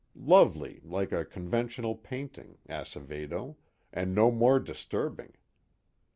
Lovely like a conventional painting, Acevedo and no more disturbing.